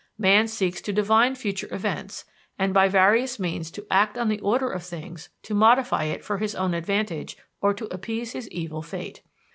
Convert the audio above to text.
Man seeks to divine future events, and by various means to act on the order of things to modify it for his own advantage or to appease his evil fate.